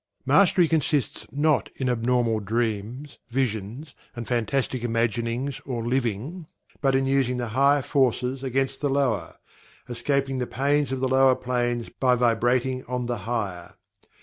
Mastery consists not in abnormal dreams, visions and fantastic imaginings or living, but in using the higher forces against the lower escaping the pains of the lower planes by vibrating on the higher.